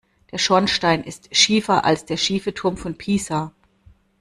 Der Schornstein ist schiefer als der schiefe Turm von Pisa.